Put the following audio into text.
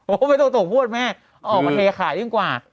โอ้ไม่ตกพูดแม่เอาออกมาเทขายิ่งกว่า